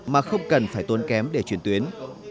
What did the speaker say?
mà không cần phải tốn kém để chuyển tuyến